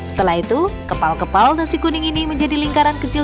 setelah itu kepal kepal nasi kuning ini menjadi lingkaran kecil